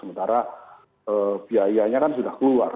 sementara biayanya kan sudah keluar